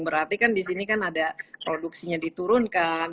berarti kan di sini kan ada produksinya diturunkan